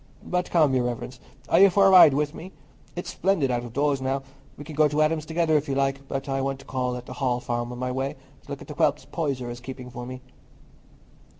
But come, Your Reverence, are you for a ride with me? It's splendid out of doors now. We can go to Adam's together, if you like; but I want to call at the Hall Farm on my way, to look at the whelps Poyser is keeping for me."